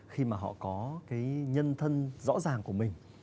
khi mà họ có cái nhân thân rõ ràng của mình